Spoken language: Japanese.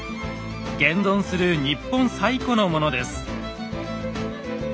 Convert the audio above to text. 現存する日本最古のものです。